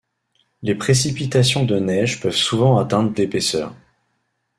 Les précipitations de neige peuvent souvent atteindre d'épaisseur.